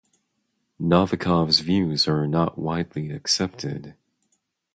Novikov's views are not widely accepted.